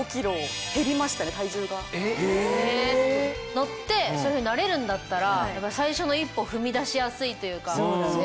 乗ってそういうふうになれるんだったら最初の一歩踏み出しやすいというか。